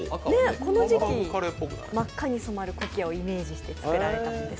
この時期、真っ赤に色づくコキアをイメージして作られたそうです。